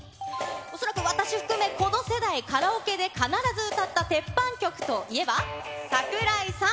恐らく私含め、この世代、カラオケで必ず歌った鉄板曲といえば？